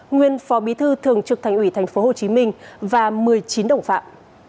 nguyên phó bí thư thường trực thành ủy tp hcm và một mươi chín đồng phạm